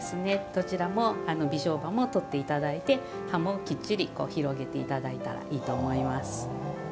どちらも微小葉もとっていただいて葉もきっちり広げていただいたらいいと思います。